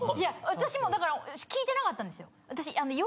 私も聞いてなかったんですよ。